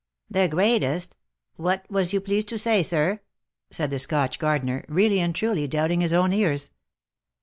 " The greatest — what was you pleased to say, sir V said the Scotch gardener, really and truly doubting his own ears.